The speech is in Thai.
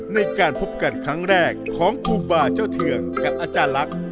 ในการพบกันครั้งแรกของครูบาเจ้าเทืองกับอาจารย์ลักษณ์